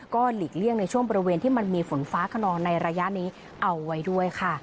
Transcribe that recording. ก็หลีกเลี่ยงในช่วงบริเวณที่มันมีฝนฟ้าขนองในระยะนี้เอาไว้ด้วยค่ะ